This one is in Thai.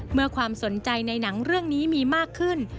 ความสนใจในหนังเรื่องนี้มีมากขึ้น